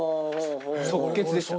即決でした。